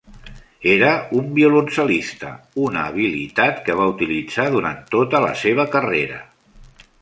Era un violoncel·lista, una habilitat que va utilitzar durant tota la seva carrera.